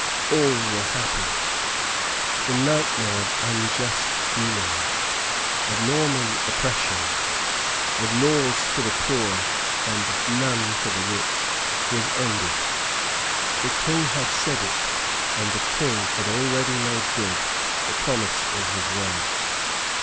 All were happy the nightmare of unjust dealings, of Norman oppression, of laws for the poor and none for the rich, was ended. The King had said it, and the King had already made good the promise in his words.